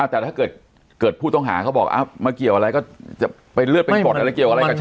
แต่ถ้าเกิดผู้ต้องหาเขาบอกมาเกี่ยวอะไรก็ใกล้กับผลชนะสูตร